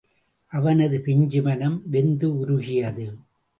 அவனது பிஞ்சு மனம் வெந்து உருகியது.